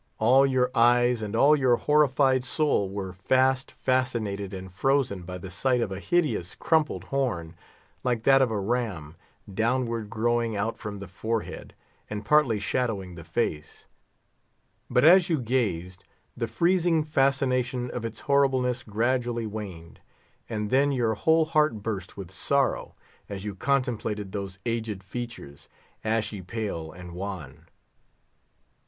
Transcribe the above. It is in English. All your eyes and all your horrified soul were fast fascinated and frozen by the sight of a hideous, crumpled horn, like that of a ram, downward growing out from the forehead, and partly shadowing the face; but as you gazed, the freezing fascination of its horribleness gradually waned, and then your whole heart burst with sorrow, as you contemplated those aged features, ashy pale and wan.